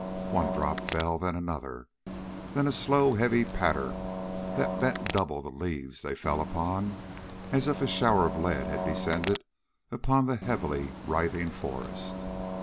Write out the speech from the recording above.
One drop fell, then another, then a slow, heavy patter, that bent double the leaves they fell upon, as if a shower of lead had descended upon the heavily writhing forest.